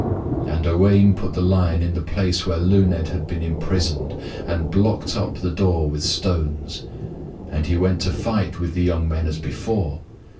And Owain put the lion in the place where Luned had been imprisoned, and blocked up the door with stones. And he went to fight with the young men as before.